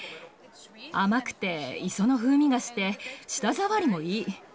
甘くて磯の風味がして、舌触りもいい。